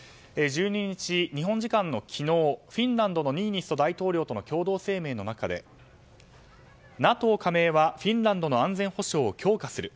１２日、日本時間の昨日フィンランドのニーニスト大統領との共同声明の中で、ＮＡＴＯ加盟はフィンランドの安全保障を強化する。